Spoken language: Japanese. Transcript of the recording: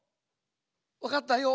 わかったよ。